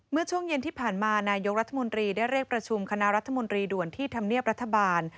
เมื่อช่วงเย็นที่ผ่านมานายกรัฐมนตรีได้เรียกประชุมคณะรัฐมนตรีด่วนที่ธรรมเนียบรัฐบาล